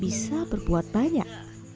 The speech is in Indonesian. bisa berbuat banyak